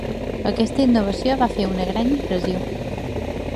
Aquesta innovació va fer una gran impressió.